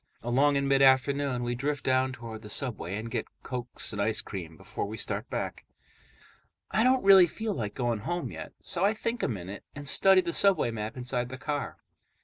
Along in mid afternoon, we drift down toward the subway and get cokes and ice cream before we start back. I don't really feel like going home yet, so I think a minute and study the subway map inside the car.